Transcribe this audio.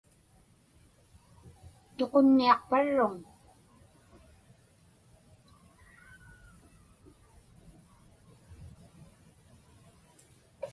Tuqunniaqparruŋ?